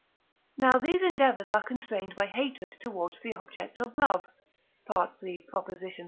Now these endeavours are constrained by hatred towards the object of love (III. xiii.